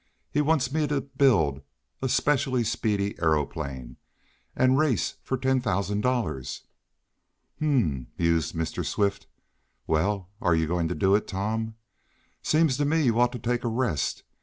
"He wants me to build a specially speedy aeroplane, and race for ten thousand dollars." "Hum!" mused Mr. Swift. "Well, are you going to do it, Tom? Seems to me you ought to take a rest.